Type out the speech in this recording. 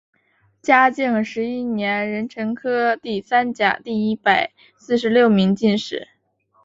嘉靖十一年壬辰科第三甲第一百四十六名进士。